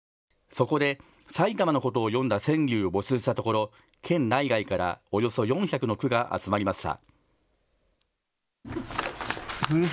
そこで埼玉のことを詠んだ川柳を募集したところ県内外からおよそ４００の句が集まりました。